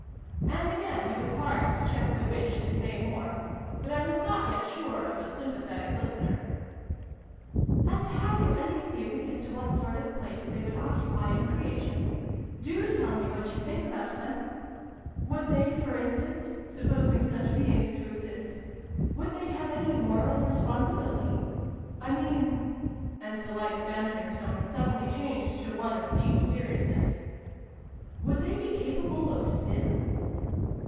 And again it was hard to check the wish to say more : but I was not yet sure of a sympathetic listener. xix] A FAIRY DUET. 301 "And have you any theory as to what sort of place they would occupy in Creation ? Do tell me what you think about them ! Would they, for instance (supposing such beings to exist), would they have any moral responsi bility ? I mean " (and the light bantering tone suddenly changed to one of deep seriousness) "would they be capable of sin?"